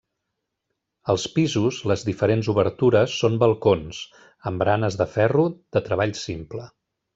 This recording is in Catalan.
Als pisos les diferents obertures són balcons, amb baranes de ferro de treball simple.